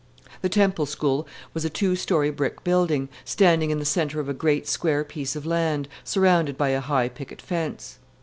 The Temple School was a two story brick building, standing in the centre of a great square piece of land, surrounded by a high picket fence.